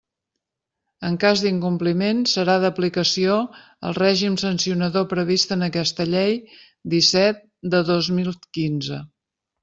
En cas d'incompliment, serà d'aplicació el règim sancionador previst en aquesta Llei disset de dos mil quinze.